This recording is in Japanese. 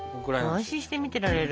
安心して見てられる。